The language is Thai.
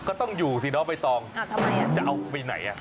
ก็ต้องอยู่สิน้องใบตองจะเอาไปไหน